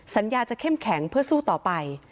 สัญญาจะเข้มแข็งเพื่อสู้ต่อไป